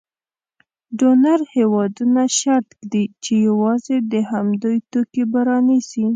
ډونر هېوادونه شرط ږدي چې یوازې د همدوی توکي به رانیسي.